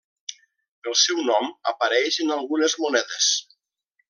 El seu nom apareix en algunes monedes.